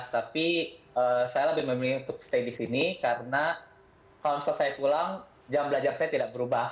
tapi saya lebih memilih untuk stay di sini karena kalau saya pulang jam belajar saya tidak berubah